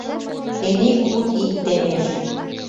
Тений куд ий темеш.